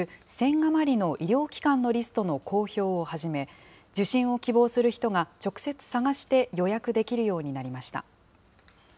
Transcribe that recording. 余りの医療機関のリストの公表を始め、受診を希望する人が直接探して予約できるようになりました。